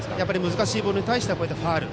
難しいボールに対してはファウル。